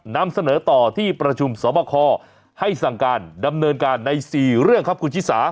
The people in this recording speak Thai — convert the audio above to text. นำเสนอต่อที่ประชุมสอบคอให้สั่งการดำเนินการใน๔เรื่องครับคุณชิสา